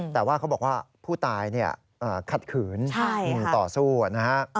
แต่ว่าเขาบอกว่าผู้ตายขัดขืนต่อสู้นะฮะ